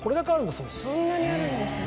そんなにあるんですね。